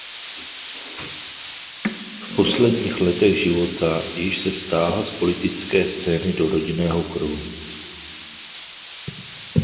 V posledních letech života již se stáhl z politické scény do rodinného kruhu.